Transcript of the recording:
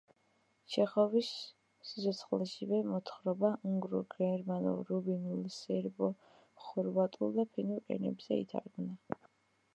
ჩეხოვის სიცოცხლეშივე მოთხრობა უნგრულ, გერმანულ, რუმინულ, სერბო-ხორვატულ და ფინურ ენებზე ითარგმნა.